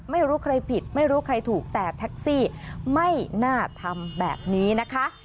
ไม่รู้ใครผิดไม่รู้ใครถูกแต่แท็กซี่ไม่น่าทำแบบนี้นะคะ